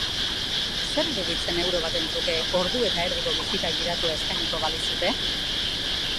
Zer iruditzen euro baten truke ordu eta erdiko bisita gidatua eskainiko balizute?